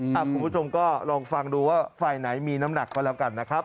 คุณผู้ชมก็ลองฟังดูว่าฝ่ายไหนมีน้ำหนักก็แล้วกันนะครับ